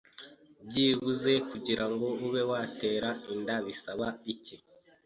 Byibuze kugirango ube watera inda bisaba iki